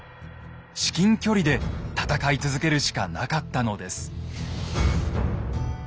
至近距離で戦い続けるしかなかったのです。